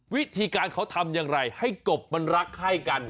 วิธีการเขาทำอย่างไรให้กบมันรักไข้กัน